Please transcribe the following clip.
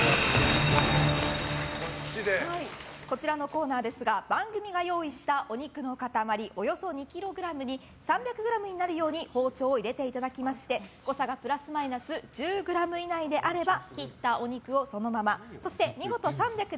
こちらのコーナーですが番組が用意したお肉の塊およそ２ｋｇに３００ｇになるように包丁を入れていただきまして誤差プラスマイナス１０ｇ以内であれば切ったお肉をそのままそして見事３００